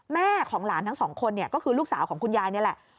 แม่ของหลานทั้งสองคนเนี่ยก็คือลูกสาวของคุณยายนี่แหละ